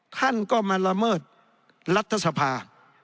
ท่านก็มาละเมิดรัฐสภา